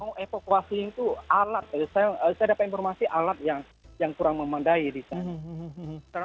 mau evakuasi itu alat saya dapat informasi alat yang kurang memandai di sana